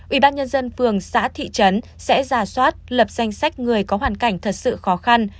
ubnd phường xã thị trấn sẽ giả soát lập danh sách người có hoàn cảnh thật sự khó khăn